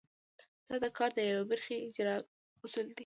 دا د کار د یوې برخې اجرا اصول دي.